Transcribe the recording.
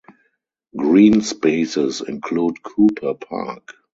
Greenspaces include Cooper Park.